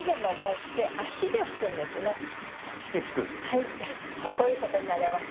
はいこういうことになります。